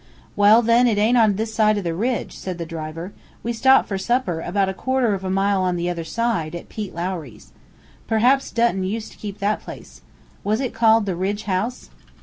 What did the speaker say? "Well, then, it aint on this side o' the ridge," said the driver; "we stop for supper, about a quarter of a mile on the other side, at Pete Lowry's. Perhaps Dutton used to keep that place. Was it called the 'Ridge House'?"